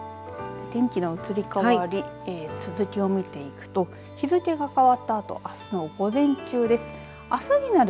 天気の移り変わり続きを見ていくと日付が変わったあとあすの午前中です。